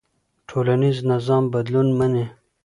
ټولنيز نظام بدلون مني.